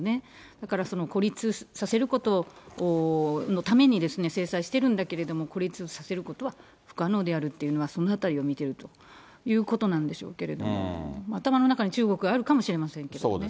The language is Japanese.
だから孤立させることのために制裁しているんだけれども、孤立させることは不可能であるというのは、そのあたりを見ているということなんでしょうけれど、頭の中に中国があるかもしれませんけれどもね。